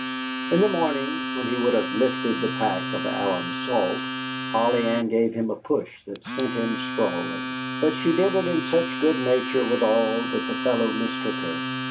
In the morning, when he would have lifted the pack of alum salt, Polly Ann gave him a push that sent him sprawling. But she did it in such good nature withal that the fellow mistook her.